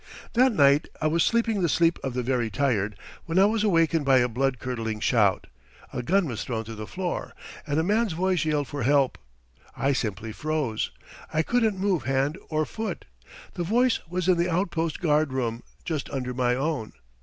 "That night I was sleeping the sleep of the very tired when I was awakened by a blood curdling shout, a gun was thrown to the floor, and a man's voice yelled for help. I simply froze I couldn't move hand or foot. The voice was in the outpost guard room, just under my own.